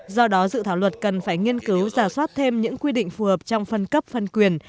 do đó dự thảo luật cần phải nghiên cứu giả soát thêm những quy định phù hợp trong phân cấp phân quyền